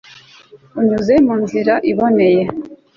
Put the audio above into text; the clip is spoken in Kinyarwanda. unyuze mu nzira iboneye